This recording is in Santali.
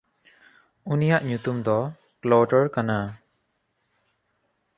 ᱩᱱᱤᱭᱟᱜ ᱧᱩᱛᱩᱢ ᱫᱚ ᱠᱞᱚᱴᱲ ᱠᱟᱱᱟ᱾